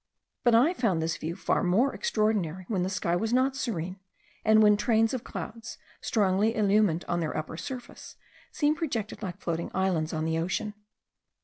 But I found this view far more extraordinary, when the sky was not serene, and when trains of clouds, strongly illumined on their upper surface, seemed projected like floating islands on the ocean.